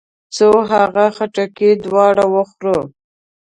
څو هغه خټکي دواړه وخورو.